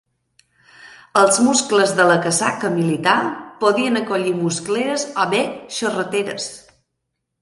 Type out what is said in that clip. Els muscles de la casaca militar podien acollir muscleres o bé xarreteres.